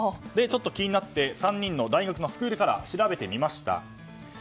ちょっと気になって３人の大学のスクールカラーを調べてみました。